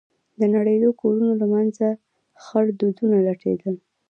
د نړېدلو كورونو له منځه خړ دودونه لټېدل.